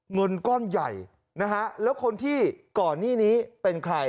เงินก้อนใหญ่แล้วคนที่ก่อนนี้เป็นใคร